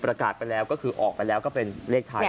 ประกาศไปแล้วก็คือออกไปแล้วก็เป็นเลขไทย